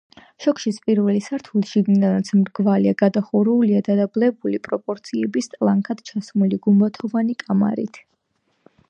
კოშკის პირველი სართული შიგნიდანაც მრგვალია, გადახურულია დადაბლებული პროპორციების, ტლანქად ჩასმული, გუმბათოვანი კამარით.